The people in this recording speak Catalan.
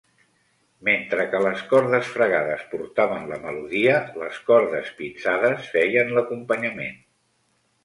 Mentre que les cordes fregades portaven la melodia, les cordes pinçades feien l'acompanyament.